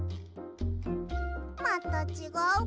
またちがうか。